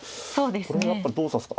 これをやっぱどう指すか。